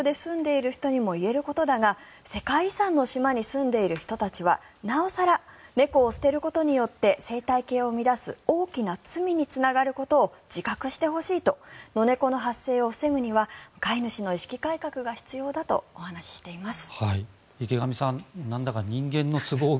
それはどの場所で住んでいる人にも言えることだが世界遺産の島に住んでいる人たちはなお更猫を捨てることによって生態系を乱す大きな罪につながることを自覚してほしいとノネコの発生を防ぐには飼い主の意識改革が必要だと話しています。